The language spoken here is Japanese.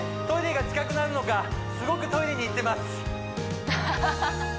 トイレが近くなるのかすごくトイレに行ってます